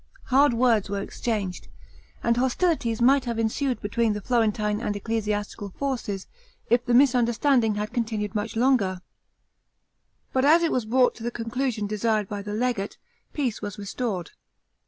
Hard words were exchanged and hostilities might have ensued between the Florentine and ecclesiastical forces, if the misunderstanding had continued much longer; but as it was brought to the conclusion desired by the legate, peace was restored.